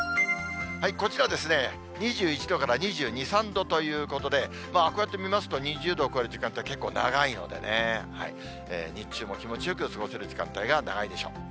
こちらですね、２１度から２２、３度ということで、こうやって見ますと、２０度を超える時間帯、結構長いのでね、日中も気持ちよく過ごせる時間帯が長いでしょう。